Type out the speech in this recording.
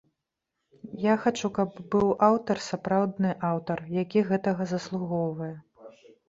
Я хачу, каб быў аўтар, сапраўдны аўтар, які гэтага заслугоўвае.